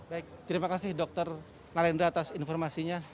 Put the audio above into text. baik terima kasih dokter nalendra atas informasinya